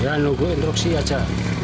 ya nunggu instruksi saja